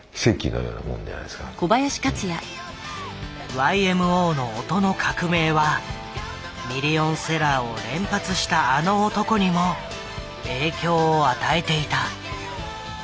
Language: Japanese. ＹＭＯの音の革命はミリオンセラーを連発したあの男にも影響を与えていた。